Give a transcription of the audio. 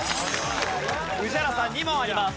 宇治原さん２問あります。